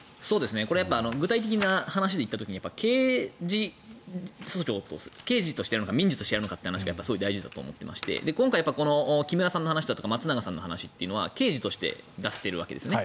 これはやっぱり具体的な話で言った時に刑事としてやるのか民事としてやるのかが大事だと思っていて今回、木村さんの話とか松永さんの話は刑事として出しているわけですね。